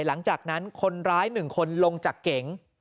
หลังจากนั้นคนร้าย๑คนลงจากเก๋ง